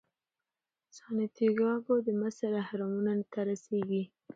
سانتیاګو د مصر اهرامونو ته رسیږي.